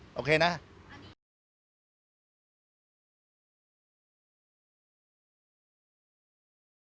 โปรดติดตามตอนต่อไป